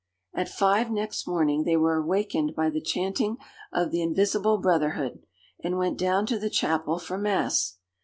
At five next morning they were wakened by the chanting of the invisible brotherhood, and went down to the chapel for mass.